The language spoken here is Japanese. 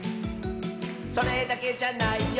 「それだけじゃないよ」